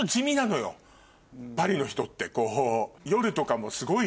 パリの人ってこう。